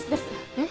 えっ？